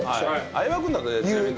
相葉君だったらちなみに。